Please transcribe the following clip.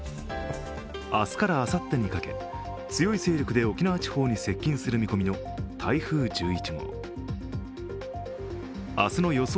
明日からあさってにかけ、強い勢力で沖縄地方に接近する見込みの台風１１号、明日の予想